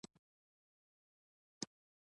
دوا خان هم شاعر شو او د فرهنګ خواته یې منډه کړه.